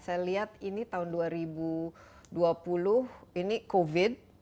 saya lihat ini tahun dua ribu dua puluh ini covid